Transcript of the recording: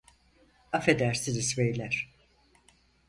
Afedersiniz beyler.